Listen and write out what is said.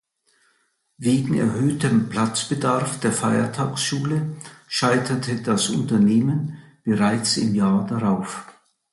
Wegen erhöhtem Platzbedarf der Feiertagsschule scheiterte das Unternehmen bereits im Jahr darauf.